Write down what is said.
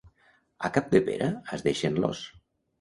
A Capdepera es deixen l'os.